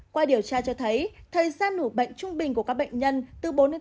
qua điều tra cho thấy thời gian nủ bệnh trung bình của các bệnh nhân từ bốn đến tám giờ